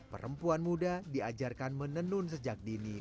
perempuan muda diajarkan menenun sejak dini